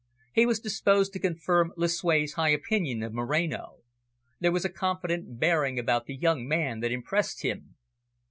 He was disposed to confirm Lucue's high opinion of Moreno. There was a confident bearing about the young man that impressed him.